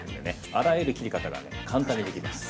あらゆる切り方が簡単にできます。